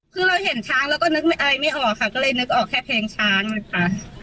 คือเราเห็นช้างเราก็นึกอะไรไม่ออกค่ะก็เลยนึกออกแค่เพลงช้างนะคะ